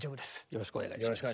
よろしくお願いします。